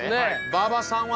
馬場さんは？